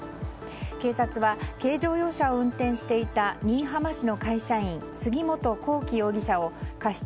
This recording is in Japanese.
警察は、軽乗用車を運転していた新居浜市の会社員杉本興紀容疑者を過失